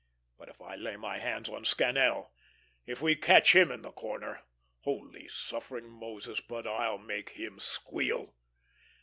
But if I lay my hands on Scannel if we catch him in the corner holy, suffering Moses, but I'll make him squeal!"